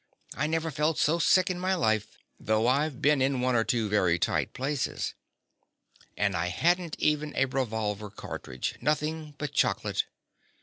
I never felt so sick in my life, though I've been in one or two very tight places. And I hadn't even a revolver cartridge—nothing but chocolate.